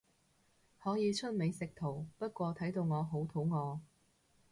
可以出美食圖，不過睇到我好肚餓